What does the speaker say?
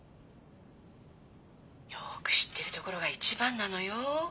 よく知ってるところが一番なのよ。